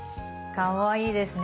かわいいですね。